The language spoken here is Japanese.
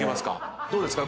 どうですか？